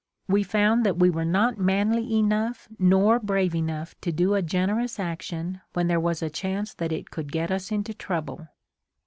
We found that we were not manly enough nor brave enough to do a generous action when there was a chance that it could get us into trouble.